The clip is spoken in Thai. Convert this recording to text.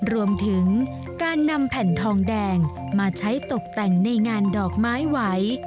รวมถึงการนำแผ่นทองแดงมาใช้ตกแต่งในงานดอกไม้ไหว